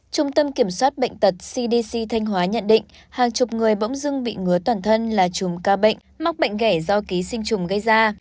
trung tâm kiểm soát bệnh tật cdc thanh hóa nhận định hàng chục người bỗng dưng bị ngứa toàn thân là chùm ca bệnh mắc bệnh ghe do ký sinh trùng gây ra